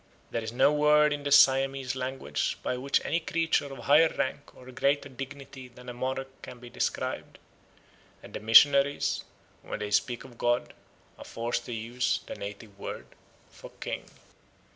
There is no word in the Siamese language by which any creature of higher rank or greater dignity than a monarch can be described; and the missionaries, when they speak of God, are forced to use the native word for king.